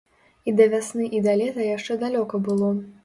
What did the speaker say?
І да вясны і да лета яшчэ далёка было.